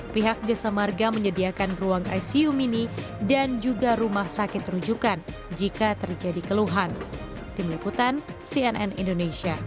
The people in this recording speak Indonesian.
pihak jasa marga menyediakan ruang icu mini dan juga rumah sakit rujukan jika terjadi keluhan